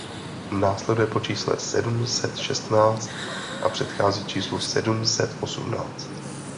Následuje po čísle sedm set šestnáct a předchází číslu sedm set osmnáct.